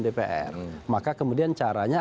dpr maka kemudian caranya